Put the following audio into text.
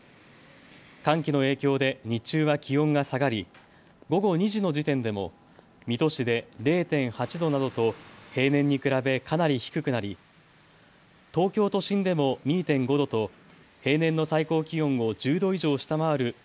寒気の影響で日中は気温が下がり午後２時の時点でも水戸市で０．８度などと平年に比べかなり低くなり東京都心でも２．５度と平年の最高気温を１０度以上下回る